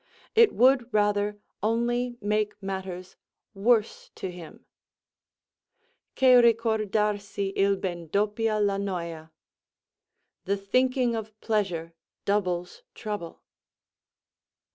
It would rather only make matters worse to him: Che ricordarsi il ben doppia la noia. "The thinking of pleasure doubles trouble."